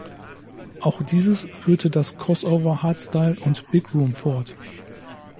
Auch dieses führte das Crossover Hardstyle und Big-Room fort.